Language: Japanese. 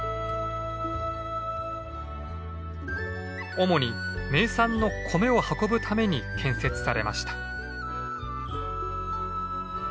主に名産の米を運ぶために建設されました。